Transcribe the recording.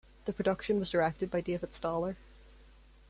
The production was directed by David Staller.